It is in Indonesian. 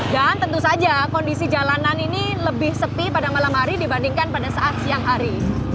dan tentu saja kondisi jalanan ini lebih sepi pada malam hari dibandingkan pada saat siang hari